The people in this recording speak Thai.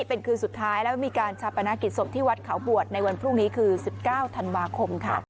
เป็นคืนสุดท้ายแล้วมีการชาปนกิจศพที่วัดเขาบวชในวันพรุ่งนี้คือ๑๙ธันวาคมค่ะ